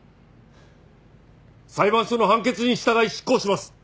裁判所の判決に従い執行します。